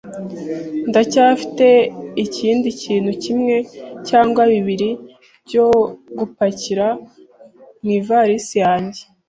Ndacyafite ikindi kintu kimwe cyangwa bibiri byo gupakira mu ivarisi yanjye.